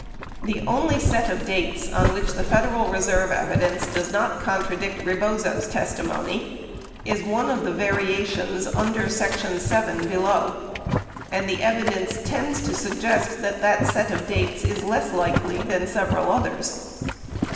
The only set of dates on which the Federal Reserve evidence does not contradict Rebozo]s testimony is one of the variations under section VII below, and the evi dence tends to suggest that set of dates is less likely than several others.